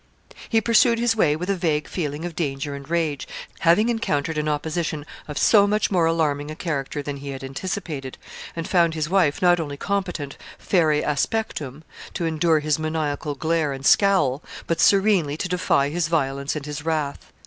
He pursued his way with a vague feeling of danger and rage, having encountered an opposition of so much more alarming a character than he had anticipated, and found his wife not only competent ferre aspectum to endure his maniacal glare and scowl, but serenely to defy his violence and his wrath.